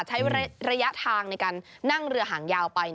ใช้ระยะทางในการนั่งเรือหางยาวไป